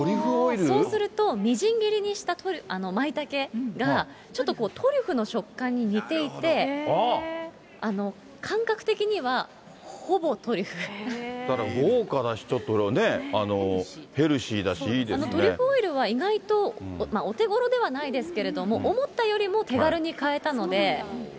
そうすると、みじん切りにしたマイタケがちょっとこう、トリュフの食感に似てだから豪華だし、ちょっと、トリュフオイルは、意外とお手頃ではないですけれども、思ったよりも手軽に買えたので。